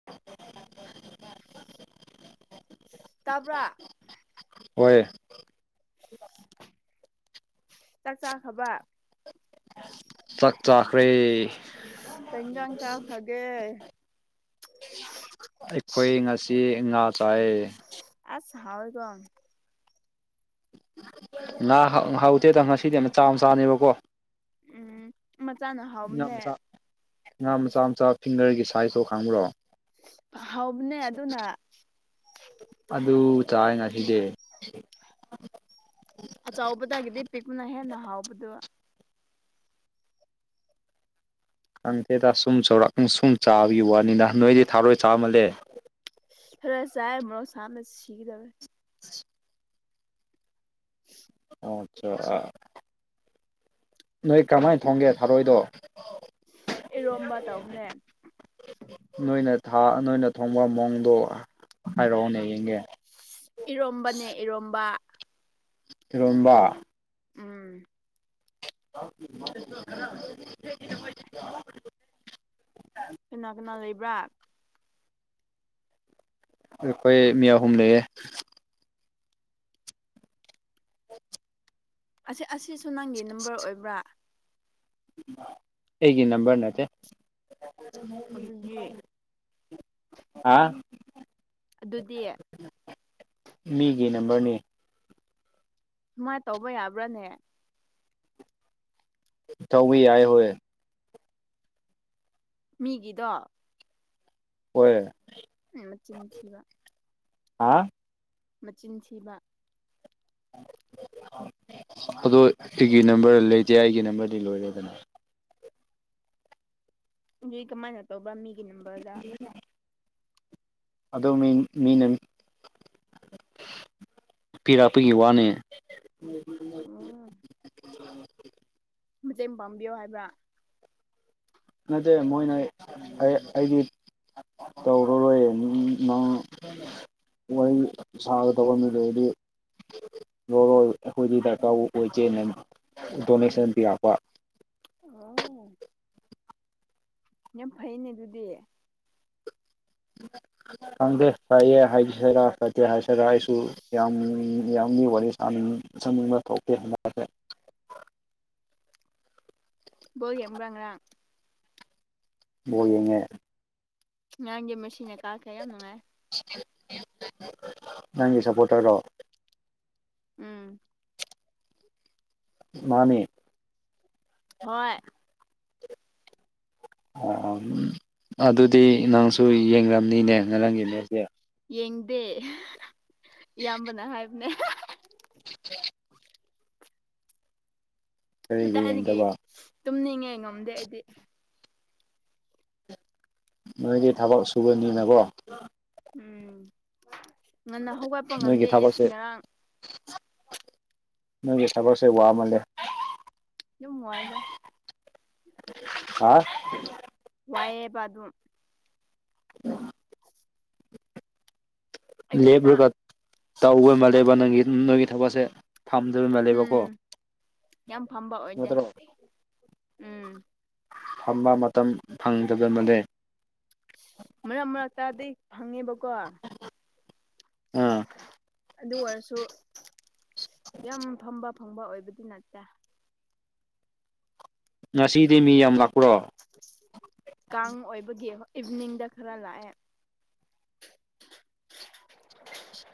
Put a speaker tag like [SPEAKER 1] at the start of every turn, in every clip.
[SPEAKER 1] [inaudible]
[SPEAKER 2] ꯇꯥꯕ꯭ꯔꯥ
[SPEAKER 1] ꯍꯣꯏ
[SPEAKER 2] ꯆꯥꯛ ꯆꯥꯈ꯭ꯔꯕ
[SPEAKER 1] ꯆꯥꯛ ꯆꯥꯈ꯭ꯔꯦ
[SPEAKER 2] ꯀꯩ ꯏꯟꯖꯥꯡ ꯆꯥꯈ꯭ꯔꯒꯦ
[SPEAKER 1] ꯑꯩꯈꯣꯏ ꯉꯁꯤ ꯉꯥ ꯆꯥꯏꯌꯦ
[SPEAKER 2] ꯑꯁ ꯍꯥꯎꯔꯦꯀꯣ
[SPEAKER 1] ꯉꯥ ꯍꯥꯎ ꯍꯥꯎꯇꯦꯗ ꯉꯁꯤꯗꯤ ꯃꯆꯥ ꯃꯆꯥꯅꯦꯕꯀꯣ
[SPEAKER 2] ꯃꯆꯥꯥꯅ ꯍꯥ
[SPEAKER 1] ꯉꯥ ꯃꯆꯥ ꯉꯥ ꯃꯆꯥ ꯃꯆꯥ ꯐꯤꯡꯒ꯭ꯔꯒꯤ ꯁꯥꯏꯖꯇꯣ ꯈꯪꯕ꯭ꯔꯣ
[SPEAKER 2] ꯍꯥꯎꯕꯅꯦ ꯑꯗꯨꯅ
[SPEAKER 1] ꯑꯗꯨ ꯆꯥꯢ ꯉꯁꯤꯗꯤ
[SPEAKER 2] ꯑꯆꯥꯎꯕꯗꯒꯤꯗꯤ ꯄꯤꯛꯄꯅ ꯍꯦꯟꯅ ꯍꯥꯎꯕꯗꯨ
[SPEAKER 1] ꯈꯪꯗꯦꯗ ꯁꯨꯝ ꯆꯥꯎꯔꯥꯛ ꯁꯨꯝ ꯆꯥꯕꯒꯤ ꯋꯥꯅꯤꯅ ꯅꯣꯏꯗꯤ ꯊꯥꯎꯔꯣꯏ ꯆꯥꯃꯜꯂꯦ
[SPEAKER 2] ꯐꯔꯦꯆꯥꯢ ꯃꯣꯔꯣꯛ ꯁꯥꯕꯅ ꯁꯤꯒꯗꯧꯔꯦ
[SPEAKER 1] [unintelligible]
[SPEAKER 2] [unintelligible]
[SPEAKER 1] ꯑꯥ ꯆꯥ ꯑꯥ ꯅꯣꯏ ꯀꯃꯥꯏꯅ ꯊꯣꯡꯒꯦ ꯊꯔꯣꯏꯗꯣ
[SPEAKER 2] ꯏꯔꯣꯝꯕ ꯇꯧꯕꯅꯦ
[SPEAKER 1] ꯅꯣꯏꯅ ꯊꯥ ꯅꯣꯏꯅ ꯊꯣꯡꯕ ꯃꯑꯣꯡꯗꯣ ꯍꯥꯏꯔꯛꯑꯣꯅꯦ ꯌꯦꯡꯒꯦ
[SPEAKER 2] ꯏꯔꯣꯝꯕꯅꯦ ꯏꯔꯣꯝꯕ
[SPEAKER 1] ꯏꯔꯣꯝꯕ
[SPEAKER 2] ꯎꯝ
[SPEAKER 1] [unintelligible]
[SPEAKER 2] ꯀꯅꯥ ꯀꯅꯥ ꯂꯩꯕ꯭ꯔꯥ
[SPEAKER 1] ꯑꯩꯈꯣꯏ ꯃꯤ ꯑꯍꯨꯝ ꯂꯩꯌꯦ [inaudible]
[SPEAKER 2] ꯑꯁꯤ ꯑꯁꯤꯁꯨ ꯅꯪꯒꯤ ꯅꯝꯕꯔ ꯑꯣꯏꯕ꯭ꯔꯥ
[SPEAKER 1] ꯑꯩꯒꯤ ꯅꯝꯕꯔ ꯅꯠꯇꯦ
[SPEAKER 2] ꯑꯗꯨꯗꯤ
[SPEAKER 1] ꯍꯥ
[SPEAKER 2] ꯑꯗꯨꯗꯤ
[SPEAKER 1] ꯃꯤꯒꯤ ꯅꯝꯕꯔꯅꯤ
[SPEAKER 2] ꯁꯨꯃꯥꯏ ꯇꯧꯕ ꯌꯥꯕ꯭ꯔꯥꯅꯦ
[SPEAKER 1] ꯇꯧꯏ ꯌꯥꯏ ꯍꯣꯏ
[SPEAKER 2] ꯃꯤꯒꯤꯗꯣ
[SPEAKER 1] ꯍꯣꯏ
[SPEAKER 2] ꯃꯆꯤꯟ ꯊꯤꯕ
[SPEAKER 1] ꯍꯥꯥ
[SPEAKER 2] ꯃꯆꯤꯟ ꯊꯤꯕ
[SPEAKER 1] ꯑꯗꯣ ꯑꯩꯒꯤ ꯅꯝꯕꯔ ꯂꯩꯇꯦ ꯑꯩꯒꯤ ꯅꯝꯕꯔꯗꯤ ꯂꯣꯏꯔꯦꯗꯅ
[SPEAKER 2] ꯑꯗꯨꯏ ꯀꯃꯥꯏꯅ ꯇꯧꯕ꯭ꯔꯥ ꯃꯤꯒꯤ ꯅꯝꯕꯔꯗ
[SPEAKER 1] [inaudible] ꯑꯗꯣ ꯃꯤ ꯃꯤꯅ ꯄꯤꯔꯛꯄꯒꯤ ꯋꯥꯅꯦ
[SPEAKER 2] ꯑꯣ ꯃꯇꯦꯡ ꯄꯥꯡꯕꯤꯌꯣ ꯍꯥꯏꯕ꯭ꯔꯥ
[SPEAKER 1] ꯅꯠꯇꯦ ꯃꯣꯏꯅ ꯑꯩꯒꯤ ꯇꯧꯔꯔꯣꯏ ꯅꯤꯡ ꯅꯪ ꯋꯥꯔꯤ ꯁꯥꯒꯇꯧꯕ ꯃꯤ ꯂꯩꯔꯗꯤ ꯂꯧꯔꯣꯏ ꯑꯩꯈꯣꯏꯗꯤ ꯗꯔꯀꯥꯔ ꯑꯣꯏꯗꯦꯅ ꯗꯣꯅꯦꯁꯟ ꯄꯤꯔꯛꯄ
[SPEAKER 2] ꯑꯣ ꯌꯥꯝ ꯐꯩꯅꯦ ꯑꯗꯨꯗꯤ
[SPEAKER 1] ꯈꯪꯗꯦ ꯐꯩꯌꯦ ꯍꯥꯏꯁꯤꯔꯥ ꯐꯠꯇꯦ ꯍꯥꯏꯁꯤꯔꯥ ꯑꯩꯁꯨ ꯌꯥꯝ ꯃꯤꯌꯥꯝꯒꯤ ꯋꯥꯔꯤ ꯁꯥꯅꯤꯡ ꯁꯥꯅꯤꯡꯕ ꯊꯣꯛꯇꯦ ꯍꯟꯗꯛꯁꯦ
[SPEAKER 2] ꯕꯣꯜ ꯌꯦꯡꯕ꯭ꯔꯥ ꯉꯥꯔꯥꯡ
[SPEAKER 1] ꯕꯣꯜ ꯌꯦꯡꯉꯦ
[SPEAKER 2] ꯉꯔꯥꯡꯗꯤ ꯃꯦꯁꯤꯅ ꯀꯥꯈ꯭ꯔꯦ ꯌꯥꯝ ꯅꯨꯡꯉꯥꯏ
[SPEAKER 1] ꯅꯪꯒꯤ ꯁꯞꯄꯣꯇꯔꯔꯣ
[SPEAKER 2] ꯎꯝ
[SPEAKER 1] ꯃꯥꯅꯦ
[SPEAKER 2] ꯍꯣꯏ
[SPEAKER 1] ꯑ ꯑꯗꯨꯗꯤ ꯅꯪꯁꯨ ꯌꯦꯡꯂꯝꯅꯤꯅꯦ ꯉꯔꯥꯡꯒꯤ ꯃꯦꯁꯇꯤ
[SPEAKER 2] ꯌꯦꯡꯗꯦ ꯏꯌꯥꯝꯕꯅ ꯍꯥꯏꯕꯅꯦ
[SPEAKER 1] [inaudible] ꯀꯔꯤꯒꯤ
[SPEAKER 2] ꯀꯗꯥꯏꯗꯒꯤ
[SPEAKER 1] ꯌꯦꯡꯗꯕ
[SPEAKER 2] ꯇꯨꯝꯅꯤꯡꯉꯦ ꯉꯝꯗꯦ ꯑꯩꯗꯤ
[SPEAKER 1] ꯅꯣꯏꯗꯤ ꯊꯕꯛ ꯁꯨꯕꯅꯤꯅꯀꯣ
[SPEAKER 2] ꯎꯝ ꯉꯟꯅ ꯍꯧꯒꯠꯄ
[SPEAKER 1] ꯅꯣꯏꯒꯤ
[SPEAKER 2] ꯉꯝꯗꯦ ꯑꯩꯁ
[SPEAKER 1] ꯊꯕꯛꯁꯦ
[SPEAKER 2] ꯉꯔꯥꯡ
[SPEAKER 1] ꯅꯣꯏꯒꯤ ꯊꯕꯛꯁꯦ ꯋꯥꯃꯜꯂꯦ
[SPEAKER 2] ꯌꯨꯝ ꯋꯥꯢꯗ
[SPEAKER 1] ꯍꯥ
[SPEAKER 2] ꯋꯥꯏꯌꯦꯕ ꯑꯗꯨꯝ
[SPEAKER 1] [inaudible]
[SPEAKER 2] [inaudible] ꯑꯌꯨꯛꯇ
[SPEAKER 1] ꯂꯦꯞꯂꯒ ꯇꯧꯕ
[SPEAKER 2] ꯆꯥꯛ
[SPEAKER 1] ꯃꯥꯜꯂꯦꯕ
[SPEAKER 2] ꯊꯣꯡ
[SPEAKER 1] ꯅꯪꯒꯤ ꯅꯣꯏꯒꯤ ꯊꯕꯛꯁꯦ ꯐꯝꯗꯣꯏ ꯃꯥꯜꯂꯦꯕꯀꯣ
[SPEAKER 2] ꯎꯝ ꯌꯥꯝ ꯐꯝꯕ ꯑꯣꯏꯗꯦ
[SPEAKER 1] ꯅꯠꯇ꯭ꯔꯣ
[SPEAKER 2] ꯎꯝ
[SPEAKER 1] ꯐꯝꯕ ꯃꯇꯝ ꯐꯪꯗꯕ ꯃꯥꯜꯂꯦ
[SPEAKER 2] ꯃꯔꯛ ꯃꯔꯛꯇꯗꯤ ꯐꯪꯉꯦꯕꯀꯣ
[SPEAKER 1] ꯑꯥ
[SPEAKER 2] ꯑꯗꯨ ꯑꯣꯏꯔꯁꯨ ꯌꯥꯝ ꯐꯝꯕ ꯐꯪꯕ ꯑꯣꯏꯕꯗꯤ ꯅꯠꯇꯦ
[SPEAKER 1] ꯉꯁꯤꯗꯤ ꯃꯤ ꯌꯥꯝ ꯂꯥꯛꯄ꯭ꯔꯣ
[SPEAKER 2] ꯀꯥꯡ ꯑꯣꯏꯕꯒꯤ ꯍꯣ ꯏꯚꯤꯅꯤꯡꯗ ꯈꯔ ꯂꯥꯛꯑꯦ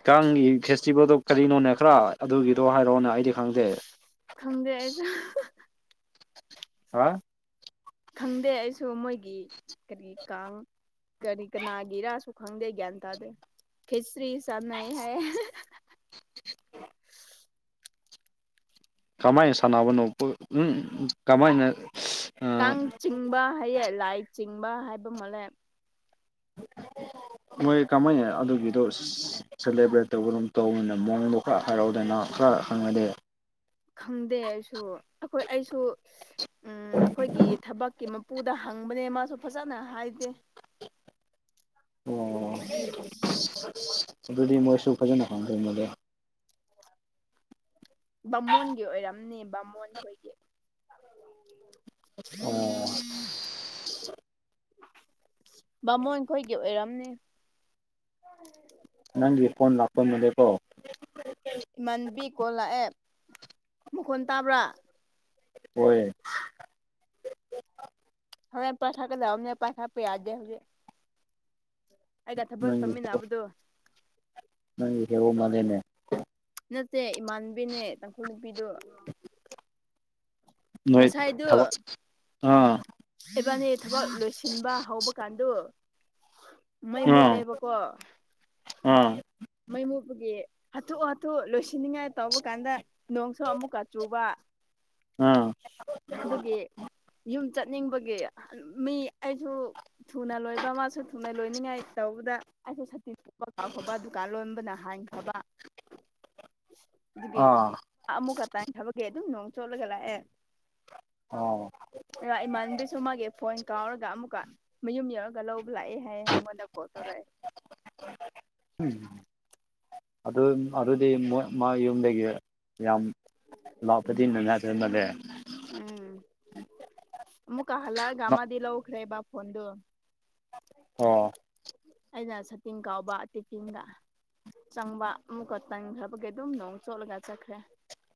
[SPEAKER 1] ꯀꯥꯡꯒꯤ ꯐꯦꯁꯇꯤꯚꯦꯜꯗꯣ ꯀꯔꯤꯅꯣꯅꯦ ꯈꯥꯔ ꯑꯗꯨꯒꯤꯗꯣ ꯍꯥꯏꯔꯛꯑꯣꯅ ꯑꯩꯗꯤ ꯈꯪꯗꯦ
[SPEAKER 2] ꯈꯪꯗꯦ ꯑꯩꯁꯨ
[SPEAKER 1] ꯍꯥ
[SPEAKER 2] ꯈꯪꯗꯦ ꯑꯩꯁꯨ ꯃꯣꯏꯒꯤ ꯀꯔꯤ ꯀꯥꯡ ꯀꯅꯤ ꯀꯅꯥꯒꯤꯔꯁꯨ ꯈꯪꯗꯦ ꯒ꯭ꯌꯥꯟ ꯇꯗꯦ ꯈꯦꯆ꯭ꯔꯤ ꯆꯥꯅꯩꯑꯦ ꯍꯥꯏꯌꯦ
[SPEAKER 1] ꯀꯃꯥꯏꯅ ꯁꯥꯟꯅꯕꯅꯣ ꯀꯣ ꯎꯝ ꯀꯃꯥꯏꯅ ꯑꯥ
[SPEAKER 2] ꯀꯥꯡ ꯆꯤꯡꯕ ꯍꯥꯏꯌꯦ ꯂꯥꯏ ꯆꯤꯡꯕ ꯍꯥꯏꯕ ꯃꯥꯜꯂꯦ ꯍꯥꯏꯌꯦ
[SPEAKER 1] ꯃꯣꯏ ꯀꯃꯥꯏꯅ ꯑꯗꯨꯒꯤꯗꯣ ꯁꯤꯁ ꯁꯦꯂꯦꯕ꯭ꯔꯦꯠ ꯇꯧꯕ ꯔꯣꯝꯇꯧꯕ ꯃꯑꯣꯡꯗꯣ ꯈꯥꯔ ꯍꯥꯏꯔꯛꯎꯗꯅ ꯈꯥꯔ ꯍꯪꯉꯗꯤ
[SPEAKER 2] ꯈꯪꯗꯦ ꯑꯩꯁꯨ ꯑꯩꯈꯣꯏ ꯑꯩꯁꯨ ꯎꯝ ꯑꯩꯈꯣꯏꯒꯤ ꯊꯕꯛꯀꯤ ꯃꯞ ꯄꯨꯗ ꯍꯪꯕꯅꯦ ꯃꯥꯁꯨ ꯐꯖꯅ ꯍꯥꯏꯗꯦ
[SPEAKER 1] ꯑꯣ ꯑꯗꯨꯗꯤ ꯃꯣꯏꯁꯨ ꯐꯖꯅ ꯈꯪꯗ ꯃꯥꯜꯂꯦ
[SPEAKER 2] ꯕꯥꯃꯣꯟꯒꯤ ꯑꯣꯏꯔꯝꯅꯤ ꯕꯥꯃꯣꯟ ꯈꯣꯏꯒꯤ [inaudible] ꯕꯥꯃꯣꯟꯈꯣꯏꯒꯤ ꯑꯣꯏꯔꯝꯅꯤ [inaudible]
[SPEAKER 1] ꯅꯪꯒꯤ ꯐꯣꯟ ꯂꯥꯛꯄ ꯃꯥꯜꯂꯦꯀꯣ
[SPEAKER 2] ꯏꯃꯥꯟꯕꯤ ꯀꯣꯜ ꯂꯥꯛꯑꯦ ꯃꯈꯣꯟ ꯇꯥꯕ꯭ꯔꯥ
[SPEAKER 1] ꯍꯣꯏ
[SPEAKER 2] ꯍꯣꯔꯦꯟ ꯄꯥꯏꯈꯠꯀꯗꯧꯅꯦ ꯄꯥꯏꯈꯠꯄ ꯌꯥꯗꯦ ꯍꯧꯖꯤꯛ ꯑꯩꯒ ꯊꯕꯛ
[SPEAKER 1] ꯅꯪꯒꯤ
[SPEAKER 2] ꯇꯝꯃꯤꯟꯅꯕꯗꯣ
[SPEAKER 1] ꯅꯪꯒꯤ ꯍꯦꯔꯣ ꯃꯥꯜꯂꯦꯅꯦ
[SPEAKER 2] ꯅꯠꯇꯦ ꯏꯃꯥꯟꯕꯤꯅꯦ ꯇꯥꯡꯈꯨꯜ ꯅꯨꯄꯤꯗꯣ
[SPEAKER 1] ꯅꯣꯏ
[SPEAKER 2] ꯉꯁꯥꯏꯗꯨ
[SPEAKER 1] ꯊꯕꯛ ꯑꯥ
[SPEAKER 2] ꯏꯕꯥꯅꯤ ꯊꯕꯛ ꯂꯣꯏꯁꯤꯟꯕ ꯍꯧꯕ ꯀꯥꯟꯗꯨ ꯃꯩ
[SPEAKER 1] ꯑꯥ
[SPEAKER 2] ꯃꯨꯠꯂꯦꯕ ꯀꯣ
[SPEAKER 1] ꯑꯥ
[SPEAKER 2] ꯃꯩ ꯃꯨꯠꯄꯒꯤ ꯍꯥꯊꯨ ꯍꯥꯊꯨ ꯂꯣꯏꯁꯤꯟꯅꯤꯡꯉꯥꯏ ꯇꯧꯕ ꯀꯥꯟꯗ ꯅꯣꯡꯁꯨ ꯑꯃꯨꯛꯀ ꯆꯨꯕ
[SPEAKER 1] ꯎꯝ
[SPEAKER 2] ꯑꯗꯨꯒꯤ ꯌꯨꯝ ꯆꯠꯅꯤꯡꯕꯒꯤ ꯃꯤ ꯑꯩꯁꯨ ꯊꯨꯅ ꯂꯣꯏꯕ ꯃꯥꯁꯨ ꯊꯨꯅ ꯂꯣꯏꯅꯤꯡꯉꯥꯏ ꯇꯧꯕꯗ ꯑꯩꯁꯨ ꯁꯥꯇꯤꯟ ꯄꯨꯀꯥꯎ ꯀꯥꯎꯈ꯭ꯔꯕ ꯗꯨꯀꯥꯟ ꯂꯣꯟꯕꯅ ꯍꯥꯟꯈ꯭ꯔꯕ ꯑꯗꯨꯒꯤ
[SPEAKER 1] ꯑꯥ
[SPEAKER 2] ꯑꯃꯨꯛꯀꯇꯥꯏ ꯊꯕꯛꯀꯤ ꯑꯗꯨꯝ ꯅꯣꯡ ꯆꯣꯠꯂꯒ ꯂꯥꯛꯑꯦ
[SPEAKER 1] ꯑꯥꯎ
[SPEAKER 2] ꯏꯃꯥꯟꯕꯤꯁꯨ ꯃꯥꯒꯤ ꯐꯣꯟ ꯀꯥꯎꯔꯒ ꯑꯃꯨꯛꯀ ꯃꯌꯨꯝ ꯌꯧꯔꯒ ꯂꯧꯕ ꯂꯥꯛꯑꯦ ꯍꯥꯏꯌꯦ ꯑꯩꯉꯣꯟꯗ ꯀꯣꯜ ꯇꯧꯔꯛꯑꯦ
[SPEAKER 1] [inaudible] ꯑꯗꯨꯝ ꯑꯗꯨꯗꯤ ꯃꯣꯏ ꯃꯥ ꯌꯨꯝꯗꯒꯤ ꯌꯥꯝ [unintelligible]
[SPEAKER 2] ꯎꯝ ꯑꯃꯨꯛꯀ ꯍꯜꯂꯑꯒꯥ ꯃꯥꯗꯤ ꯂꯧꯈ꯭ꯔꯦꯕ ꯐꯣꯟꯗꯨ
[SPEAKER 1] ꯑꯣ
[SPEAKER 2] ꯑꯩꯅ ꯁꯇꯤꯡ ꯀꯥꯎꯕ ꯇꯤꯐꯤꯟꯒ ꯆꯪꯕ ꯑꯃꯨꯛꯀ ꯇꯪꯈ꯭ꯔꯕꯒꯤ ꯑꯗꯨꯝ ꯅꯣꯡ ꯆꯣꯠꯂꯒ ꯆꯠꯈ꯭ꯔꯦ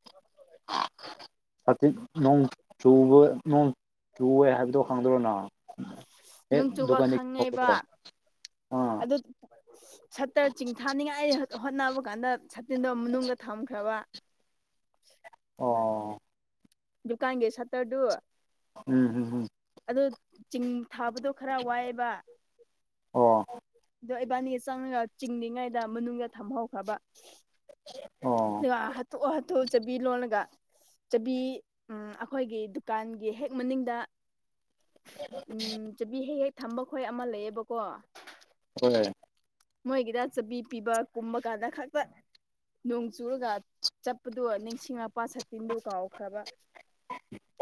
[SPEAKER 2] [inaudible]
[SPEAKER 1] ꯁꯥꯇꯤꯟ ꯅꯣꯡ ꯆꯨꯕ ꯅꯣꯡ ꯆꯨꯋꯦ ꯍꯥꯏꯕꯗꯣ ꯈꯪꯗ꯭ꯔꯣꯅ ꯍꯦꯛ
[SPEAKER 2] ꯅꯨꯡ ꯆꯨꯕ
[SPEAKER 1] ꯗꯨꯀꯥꯟꯗꯒꯤ
[SPEAKER 2] ꯈꯪꯉꯦꯕ
[SPEAKER 1] ꯊꯣꯛꯄꯗꯣ ꯑꯥ
[SPEAKER 2] ꯑꯗꯨ ꯁꯠꯇ꯭ꯔ ꯆꯤꯡꯊꯥꯅꯤꯡꯉꯥꯏ ꯍꯣ ꯍꯣꯠꯅꯕ ꯀꯥꯟꯗ ꯁꯠꯇꯤꯟꯗꯣ ꯃꯅꯨꯡꯗ ꯊꯝꯈ꯭ꯔꯕ
[SPEAKER 1] ꯑꯣ
[SPEAKER 2] ꯗꯨꯀꯥꯟꯒꯤ ꯁꯠꯇ꯭ꯔꯗꯨ
[SPEAKER 1] ꯎꯝ ꯍꯨꯝ ꯍꯨꯝ
[SPEAKER 2] ꯑꯗꯨ ꯆꯤꯡ ꯊꯥꯕꯗꯣ ꯈꯔ ꯋꯥꯏꯌꯦꯕ
[SPEAKER 1] ꯑꯣ
[SPEAKER 2] ꯗꯣ ꯏꯕꯥꯅꯤ ꯆꯪꯔꯒ ꯆꯤꯡꯂꯤꯉꯩꯗ ꯃꯅꯨꯡꯗ ꯊꯝꯍꯧꯈ꯭ꯔꯕ
[SPEAKER 1] ꯑꯣ
[SPEAKER 2] ꯑꯗꯨꯒ ꯍꯥꯠꯊꯨ ꯍꯥꯠꯊꯨ ꯆꯕꯤ ꯂꯣꯜꯂꯒ ꯆꯕꯤ ꯎꯝ ꯑꯈꯣꯏꯒꯤ ꯗꯨꯀꯥꯟꯒꯤ ꯍꯦꯛ ꯃꯥꯅꯤꯡꯗ ꯎꯝ ꯆꯕꯤ ꯍꯦ ꯍꯦꯛ ꯊꯝꯕ ꯈꯣꯏ ꯑꯃ ꯂꯩꯌꯦꯕꯀꯣ
[SPEAKER 1] ꯈꯣꯏꯑ
[SPEAKER 2] ꯃꯣꯏꯒꯤꯗ ꯆꯕꯤ ꯄꯤꯕ ꯀꯨꯝꯕ ꯀꯥꯟꯗ ꯈꯛꯇ ꯅꯣꯡ ꯆꯨꯔꯒ ꯆꯠꯄꯗꯨ ꯅꯤꯡꯁꯤꯡꯉꯛꯄ ꯁꯇꯤꯟꯗꯨ ꯀꯥꯎꯈ꯭ꯔꯕ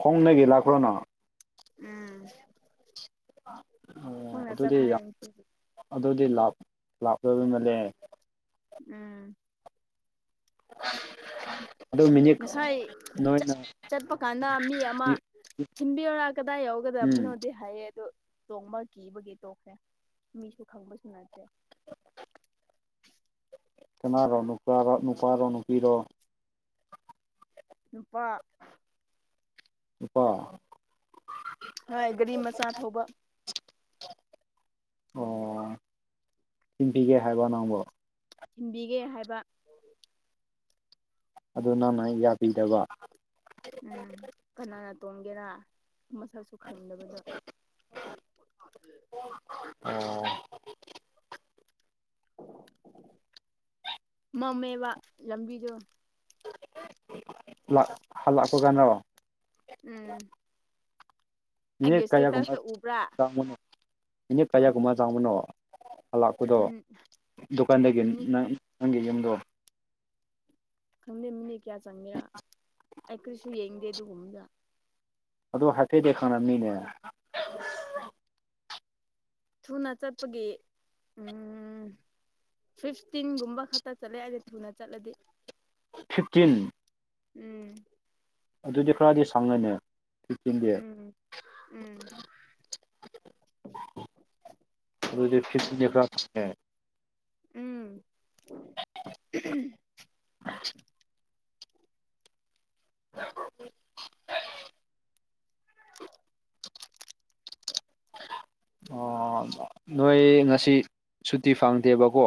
[SPEAKER 1] ꯈꯣꯡꯅꯒꯤ ꯂꯥꯛꯄ꯭ꯔꯣ ꯅꯣ
[SPEAKER 2] ꯎꯝ
[SPEAKER 1] ꯑꯣ
[SPEAKER 2] ꯈꯣꯡꯅ
[SPEAKER 1] ꯑꯗꯨꯗꯤ ꯌꯥꯝ
[SPEAKER 2] ꯆꯞꯄꯅꯦ ꯑꯩꯀꯤꯗꯤ
[SPEAKER 1] ꯑꯗꯨꯗꯤ ꯂꯥꯞ [unintelligible]
[SPEAKER 2] ꯎꯝ
[SPEAKER 1] [inaudible]
[SPEAKER 2] ꯉꯁꯥꯏ ꯆꯠ
[SPEAKER 1] ꯅꯣꯏꯅ
[SPEAKER 2] ꯆꯠꯄ ꯀꯥꯟꯗ ꯃꯤ ꯑꯃꯥ ꯊꯤꯟꯕꯤꯌꯣꯔ ꯀꯗꯥꯏ
[SPEAKER 1] ꯎꯝ
[SPEAKER 2] ꯌꯧꯒꯗꯕꯅꯣꯗꯤ ꯍꯥꯏꯌꯦ ꯑꯗꯣ ꯇꯣꯡꯕ ꯀꯤꯕꯒꯤ ꯇꯣꯛꯈꯔꯦ ꯃꯤꯁꯨ ꯈꯪꯕꯁꯨ ꯅꯠꯇꯦ
[SPEAKER 1] ꯀꯅꯥꯔꯣ ꯅꯨꯄꯥꯔꯣ ꯅꯨꯄꯥꯔꯣ ꯅꯨꯄꯤꯔꯣ
[SPEAKER 2] ꯅꯨꯄꯥ
[SPEAKER 1] ꯎꯄꯥ
[SPEAKER 2] ꯍꯣꯏ ꯒꯥꯔꯤ ꯃꯆꯥ ꯊꯧꯕ
[SPEAKER 1] ꯑꯣ ꯊꯤꯟꯄꯤꯒꯦ ꯍꯥꯏꯕꯣ ꯅꯪꯕꯣ
[SPEAKER 2] ꯊꯤꯟꯕꯤꯒꯦ ꯍꯥꯏꯕ
[SPEAKER 1] ꯑꯗꯨ ꯅꯪꯅ ꯌꯥꯕꯤꯗꯕ
[SPEAKER 2] ꯎꯝ ꯀꯅꯥꯅ ꯇꯣꯡꯒꯦꯔꯥ ꯃꯁꯛꯁꯨ ꯈꯪꯗꯕꯗꯣ
[SPEAKER 1] ꯑꯣ
[SPEAKER 2] ꯃꯝꯃꯦꯕ ꯂꯝꯕꯤꯗꯨ
[SPEAKER 1] ꯂꯥꯛ ꯍꯜꯂꯛꯄ ꯀꯥꯟꯔꯣ
[SPEAKER 2] ꯎꯝ
[SPEAKER 1] ꯃꯤꯅꯤꯠ
[SPEAKER 2] ꯑꯩꯒꯤ
[SPEAKER 1] ꯀꯌꯥꯒꯨꯝꯃ
[SPEAKER 2] ꯏꯁꯇꯦꯇꯁꯇ ꯎꯕ꯭ꯔꯥ
[SPEAKER 1] ꯆꯪꯕꯅꯣ ꯃꯤꯅꯤꯠ ꯀꯌꯥꯒꯨꯝꯕ ꯆꯥꯡꯕꯅꯣ ꯍꯂꯥꯛꯄꯗꯣ
[SPEAKER 2] ꯎꯝ
[SPEAKER 1] ꯗꯨꯀꯥꯟꯗꯒꯤ
[SPEAKER 2] ꯃꯤꯅꯤꯠ
[SPEAKER 1] ꯅꯪ ꯅꯪꯒꯤ ꯌꯨꯝꯗꯣ
[SPEAKER 2] ꯈꯪꯗꯦ ꯃꯤꯅꯤꯠ ꯀꯌꯥ ꯆꯪꯒꯦꯔ ꯑꯩ ꯀꯔꯤꯁꯨ ꯌꯦꯡꯗꯦ ꯑꯗꯨꯒꯨꯝꯕꯗ
[SPEAKER 1] ꯑꯗꯣ ꯍꯥꯏꯐꯦꯠꯗꯤ ꯈꯪꯂꯝꯃꯤꯅꯦ
[SPEAKER 2] ꯊꯨꯅ ꯆꯠꯄꯒꯤ ꯎꯝ ꯐꯤꯐꯇꯤꯟꯒꯨꯝꯕ ꯈꯛꯇ ꯆꯠꯂꯦ ꯑꯥꯗꯤ ꯊꯨꯅ ꯆꯠꯂꯗꯤ
[SPEAKER 1] ꯐꯤꯞꯇꯤꯟ
[SPEAKER 2] ꯎꯝ
[SPEAKER 1] ꯑꯗꯨꯗꯤ ꯈꯔꯗꯤ ꯁꯪꯉꯤꯅꯦ ꯐꯤꯞꯇꯤꯟꯗꯤ
[SPEAKER 2] ꯎꯝ ꯎꯝ
[SPEAKER 1] ꯑꯗꯨ ꯐꯤꯖꯤꯅꯦ [unintelligible]
[SPEAKER 2] ꯎꯝ
[SPEAKER 1] [inaudible] [inaudible] ꯑ‌ ꯅꯣꯏ ꯉꯁꯤ ꯁꯨꯇꯤ ꯐꯪꯗꯦꯕꯀꯣ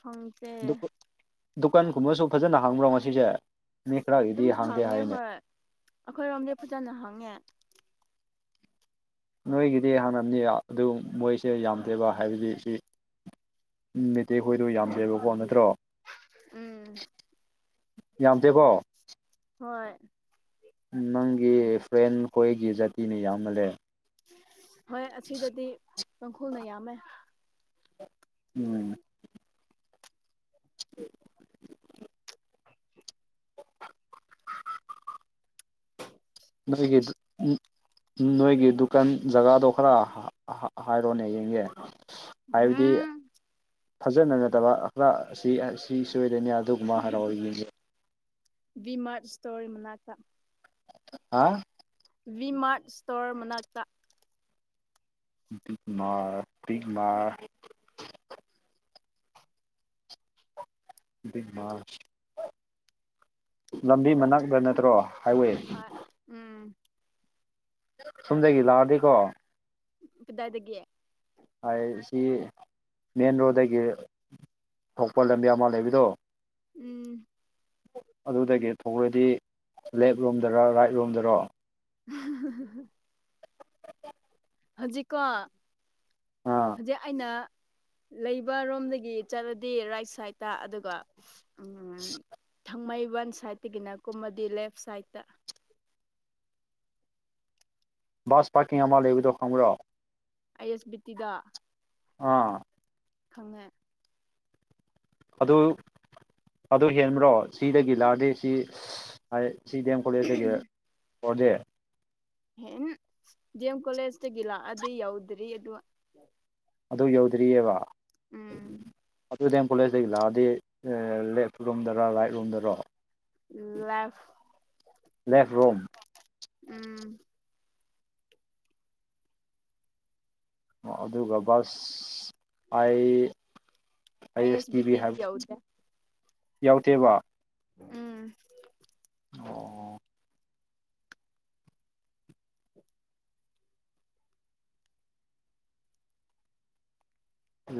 [SPEAKER 2] ꯐꯪꯇꯦ
[SPEAKER 1] ꯗꯨꯀꯥꯟꯒꯨꯝꯕꯁꯨ ꯐꯖꯅ ꯍꯥꯡꯕ꯭ꯔꯣ ꯉꯁꯤꯁꯦ ꯃꯤ ꯈ꯭ꯔꯒꯤꯗꯤ
[SPEAKER 2] ꯑꯗꯨꯝ
[SPEAKER 1] ꯍꯥꯡꯗꯦ
[SPEAKER 2] ꯍꯥꯡꯉꯦ
[SPEAKER 1] ꯍꯥꯏꯌꯦꯅꯦ
[SPEAKER 2] ꯍꯣꯏ ꯑꯩꯈꯣꯏꯔꯣꯝꯗꯤ ꯐꯖꯅ ꯍꯪꯉꯦ
[SPEAKER 1] ꯅꯣꯏꯒꯤꯗꯤ ꯍꯥꯟꯅꯅꯕꯅꯤ ꯑꯗꯨ ꯃꯣꯏꯁꯦ ꯌꯥꯝꯗꯦꯕ ꯍꯥꯏꯕꯗꯤ ꯁꯤ ꯎꯝ ꯃꯦꯠꯇꯩ ꯈꯣꯏꯗꯣ ꯌꯥꯝꯗꯦꯕꯀꯣ ꯅꯠꯇ꯭ꯔꯣ
[SPEAKER 2] ꯎꯝ
[SPEAKER 1] ꯌꯥꯝꯗꯦꯀꯣ
[SPEAKER 2] ꯍꯣꯏ
[SPEAKER 1] ꯅꯪꯒꯤ ꯐ꯭ꯔꯦꯟ ꯈꯣꯏꯒꯤ ꯖꯥꯇꯤꯅ ꯌꯥꯝꯃꯜ ꯂꯦ
[SPEAKER 2] ꯍꯣꯏ ꯑꯁꯤꯗꯗꯤ ꯇꯡꯈꯨꯜꯅ ꯌꯥꯝꯃꯦ
[SPEAKER 1] ꯎꯝ [unintelligible]
[SPEAKER 2] [inaudible]
[SPEAKER 1] ꯃꯁꯤꯒꯤ ꯎꯝ ꯅꯣꯏꯒꯤ ꯗꯨꯀꯥꯟ ꯖꯒꯥꯗꯣ ꯈꯔ ꯍꯥꯏꯔꯣꯅꯦ ꯌꯦꯡꯒꯦ ꯍꯥꯏꯕꯗꯤ
[SPEAKER 2] ꯎꯝ
[SPEAKER 1] ꯐꯖꯅ ꯅꯠꯇꯕ ꯈꯔ ꯑꯁꯤ ꯑꯁꯤ ꯁꯣꯏꯗꯅꯤ ꯑꯗꯨꯒ ꯃꯥ ꯍꯔꯥꯎ ꯑꯣꯏ ꯌꯦꯌꯦ
[SPEAKER 2] ꯕꯤꯃꯥꯔꯠ ꯏꯁꯇꯣꯔꯤ ꯃꯨꯅꯥꯛꯇ
[SPEAKER 1] ꯍꯥ
[SPEAKER 2] ꯚꯤꯃꯥꯔꯠ ꯏꯁꯇꯣꯔ ꯃꯅꯥꯛꯇ
[SPEAKER 1] ꯃꯥꯔ ꯇꯤꯛ ꯃꯥ ꯂꯝꯕꯤ ꯃꯅꯥꯛꯛꯇ ꯅꯠꯇ꯭ꯔꯣ ꯍꯥꯏꯋꯦ
[SPEAKER 2] ꯍ‌ꯣꯏ ꯎꯝ
[SPEAKER 1] ꯁꯨꯝꯗꯒꯤ ꯂꯥꯛꯑꯗꯤꯀꯣ
[SPEAKER 2] ꯀꯗꯥꯏꯗꯒꯤ
[SPEAKER 1] ꯍꯥꯏ ꯁꯤ ꯃꯦꯟ ꯔꯣꯗꯗꯒꯤ ꯊꯣꯛꯄ ꯂꯝꯕꯤ ꯑꯃ ꯂꯩꯕꯗꯣ
[SPEAKER 2] ꯎꯝ
[SPEAKER 1] ꯑꯗꯨꯗꯒꯤ ꯊꯣꯛꯔꯗꯤ ꯂꯦꯞꯔꯣꯝꯗꯔ ꯔꯥꯏꯠꯔꯣꯝꯗꯔꯣ
[SPEAKER 2] [unintelligible] ꯍꯧꯖꯤꯛꯀꯣ
[SPEAKER 1] ꯑꯥ
[SPEAKER 2] ꯍꯧꯖꯤꯛ ꯑꯩꯅ ꯂꯩꯕ ꯔꯣꯝꯗꯒꯤ ꯆꯠꯂꯗꯤ ꯔꯥꯏꯠ ꯁꯥꯏꯠꯇ ꯑꯗꯨꯒ ꯎꯝ ꯊꯥꯡꯃꯩꯕꯟ ꯁꯥꯏꯠꯇꯒꯤꯅ ꯀꯨꯝꯃꯗꯤ ꯂꯦꯐ ꯁꯥꯏꯗꯠꯇ
[SPEAKER 1] ꯕꯥꯁ ꯄꯥꯔꯀꯤꯡ ꯑꯃ ꯂꯩꯕꯗꯣ ꯈꯪꯕ꯭ꯔꯣ
[SPEAKER 2] ꯑꯥꯏ ꯑꯦꯁ ꯕꯤ ꯇꯤꯗ
[SPEAKER 1] ꯑꯥ
[SPEAKER 2] ꯈꯪꯉꯦ
[SPEAKER 1] ꯑꯗꯨ ꯑꯗꯨ ꯍꯦꯟꯕ꯭ꯔꯣ ꯁꯤꯗꯒꯤ ꯂꯥꯑꯗꯤ ꯁꯤ ꯍꯥꯏ ꯁꯤ ꯗꯤ ꯑꯦꯝ ꯀꯣꯂꯦꯖꯇꯒꯤ ꯑꯣꯔꯗꯤ
[SPEAKER 2] ꯍ ꯗꯤ ꯑꯦꯝ ꯀꯣꯂꯦꯖ ꯇꯒꯤ ꯂꯥꯛꯑꯗꯤ ꯌꯥꯎꯗ꯭ꯔꯤ ꯑꯗꯨ
[SPEAKER 1] ꯑꯗꯨ ꯌꯧꯗ꯭ꯔꯤꯑꯕ
[SPEAKER 2] ꯎꯝ
[SPEAKER 1] ꯑꯗꯨ ꯗꯦꯝ ꯀꯣꯂꯦꯖꯇꯒꯤ ꯂꯥꯛꯑꯗꯤ ꯂꯦꯐ ꯔꯣꯝꯗꯔ ꯔꯥꯏꯠ ꯔꯣꯝꯗꯔꯣ
[SPEAKER 2] ꯂꯦꯐ
[SPEAKER 1] ꯂꯦꯐ ꯔꯣꯝ
[SPEAKER 2] ꯎꯝ
[SPEAKER 1] ꯑꯗꯨꯒ ꯕꯁ ꯄꯩ
[SPEAKER 2] ꯑꯥꯏ ꯑꯁ ꯕꯤꯇꯗꯤ ꯌꯥꯎꯗ
[SPEAKER 1] ꯌꯥꯎꯗꯦꯕ
[SPEAKER 2] ꯎꯝ
[SPEAKER 1] [inaudible]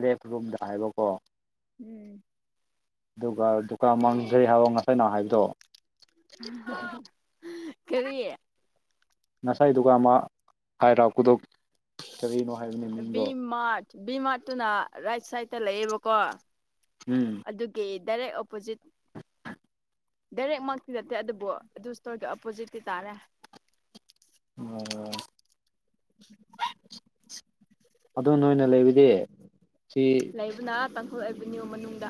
[SPEAKER 1] ꯂꯦꯐ ꯔꯨꯝꯗ ꯍꯥꯏꯕꯀꯣ
[SPEAKER 2] ꯎꯝ꯫
[SPEAKER 1] ꯑꯗꯨꯒ ꯗꯨꯀꯥꯟ ꯃꯥꯡꯖꯩ ꯍꯥꯏꯕ ꯉꯁꯥꯏꯅ ꯍꯥꯏꯕꯗꯣ
[SPEAKER 2] ꯀꯔꯤ
[SPEAKER 1] ꯉꯁꯥꯏ ꯗꯨꯀꯥꯟ ꯃꯥꯡ ꯍꯥꯏꯔꯛꯀꯨꯗꯣꯛ ꯀꯔꯤꯅꯣ ꯍꯥꯏꯕꯅꯤ
[SPEAKER 2] ꯚꯤ ꯃꯥꯔꯠ ꯚꯤ ꯃꯥꯔꯠꯇꯨꯅ ꯔꯥꯏꯠ ꯁꯥꯏꯠꯇ ꯂꯩꯑꯦꯕꯀꯣ
[SPEAKER 1] ꯎꯝ꯫
[SPEAKER 2] ꯑꯗꯨꯒꯤ ꯗꯥꯏꯔꯦꯛ ꯑꯣꯄꯣꯖꯤꯠ ꯗꯥꯏꯔꯦꯛꯃꯛꯇꯤ ꯅꯠꯇꯦ ꯑꯗꯨꯕꯨ ꯑꯗꯨ ꯁ꯭ꯇꯣꯔꯒꯤ ꯑꫭꯄꯣꯖꯤꯠꯇꯤ ꯇꯥꯔꯦ
[SPEAKER 1] ꯑꯣ ꯑꯗꯨ ꯅꯣꯏꯅ ꯂꯩꯕꯗꯤ ꯁꯤ
[SPEAKER 2] ꯂꯩꯕꯅꯥ ꯇꯥꯡꯈꯨꯜ ꯑꯦꯚꯤꯅ꯭ꯌꯨ ꯃꯅꯨꯡꯗ